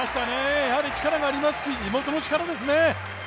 やはり力がありますし、地元の力ですね。